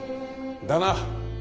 だな。